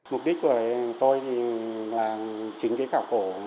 mục đích của tôi là chính cái khảo cổ